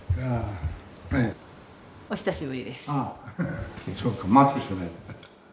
お久しぶりです。